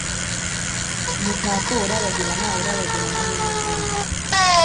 umutako urabagirana urabagirana nkinyenyeri